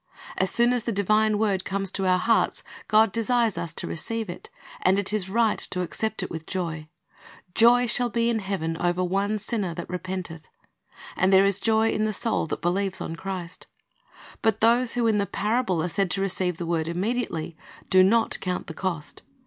As soon as the divine word comes to our hearts, God desires us to receive it; and it is right to accept it with joy. "Joy shall be in heaven over one sinner that repenteth." ^ And there is joy in the soul that believes on Christ. But those who in the parable are said to receive the word immediately, do not count the cost.